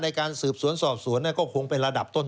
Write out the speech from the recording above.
ในการสืบสวนสอบสวนก็คงเป็นระดับต้น